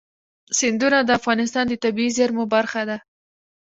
سیندونه د افغانستان د طبیعي زیرمو برخه ده.